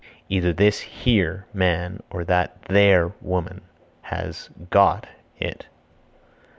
Either this (here) man or that (there) woman has (got) it.